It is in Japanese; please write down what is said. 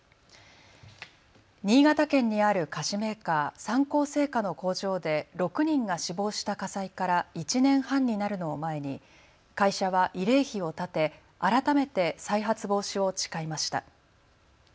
新潟県にある菓子メーカー、三幸製菓の工場で６人が死亡した火災から１年半になるのを前に会社は慰霊碑を建て改めて再発防止を誓いました。